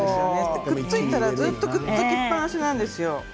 くっついたら、ずっとくっつきっぱなしなんですよ。